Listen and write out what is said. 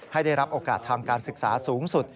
ให้ได้รับโอกาสทางการศึกษาสูงสุด